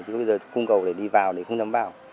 chứ bây giờ cung cầu để đi vào thì không dám vào